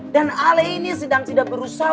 dan ale ini sedang tidak berusaha